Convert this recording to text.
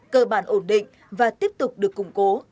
cơ bản ổn định và tiếp tục được củng cố